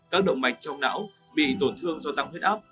các động mạch trong não bị tổn thương do tăng huyết áp